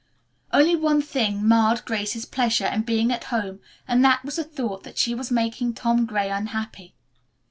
Only one thing marred Grace's pleasure in being at home and that was the thought that she was making Tom Gray unhappy.